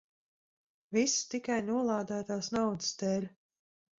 Viss tikai nolādētās naudas dēļ.